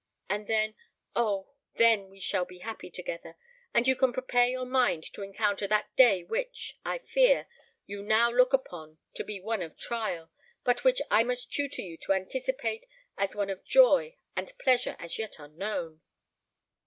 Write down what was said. And then—oh! then we shall be happy together—and you can prepare your mind to encounter that day which, I fear, you now look upon to be one of trial, but which I must tutor you to anticipate as one of joy and pleasure as yet unknown."